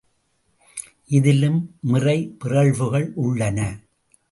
இதிலும் முறை பிறழ்வுகள் உள்ளன!